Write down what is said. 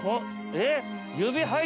えっ！？